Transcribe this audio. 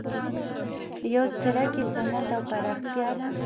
یو څرک یې صنعت او پراختیا ده.